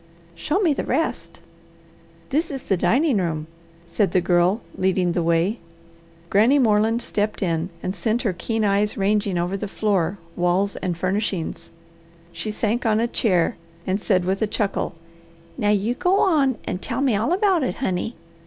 Show me the rest!" "This is the dining room," said the Girl, leading the way. Granny Moreland stepped in and sent her keen eyes ranging over the floor, walls, and furnishings. She sank on a chair and said with a chuckle, "Now you go on and tell me all about it, honey.